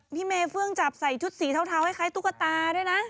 พี่เมย์เฟื่องจับใส่ชุดสีเทาคล้ายตุ๊กตาด้วยนะ